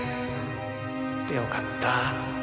よかった。